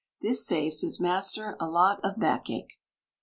This saves his master a lot of backache.